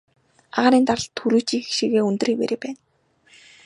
Агаарын даралт түрүүчийнх шигээ өндөр хэвээрээ байна.